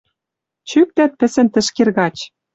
Чӱктӓт пӹсӹн тӹшкер гач